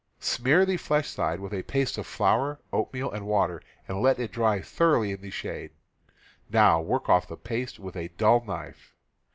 Smear the flesh side with a paste of flour, oatmeal, and water, and let it dry thoroughly in the shade; now work oft' the paste with a dull knife.